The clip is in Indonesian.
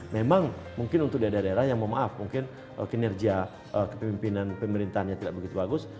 memang mungkin untuk daerah daerah yang mohon maaf mungkin kinerja kepemimpinan pemerintahannya tidak begitu bagus